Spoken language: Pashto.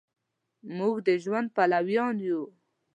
مونږ د ژوند پلویان یو